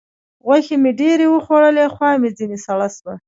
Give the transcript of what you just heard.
غوښې مې ډېرې وخوړلې؛ خوا مې ځينې سړه سوه.